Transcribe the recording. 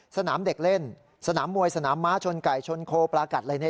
สนามเด็กเล่นสนามมวยสนามม้าชนไก่ชนโคปลากัดอะไรเนี่ย